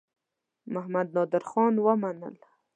محمدنادرخان ومنلم.